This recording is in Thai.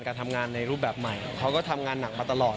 การทำงานในรูปแบบใหม่เขาก็ทำงานหนักมาตลอด